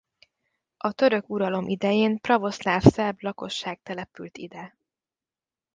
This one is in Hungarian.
A török uralom idején pravoszláv szerb lakosság települt ide.